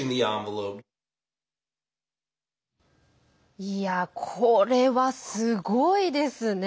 いや、これはすごいですね。